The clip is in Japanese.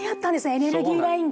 エネルギーラインが。